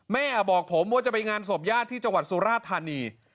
แม่บอกผมว่าจะไปงานศพญาติที่จังหวัดสุราธานี